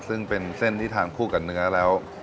ซึ่งเป็นเส้นที่ทานคู่กับเนื้อแล้ว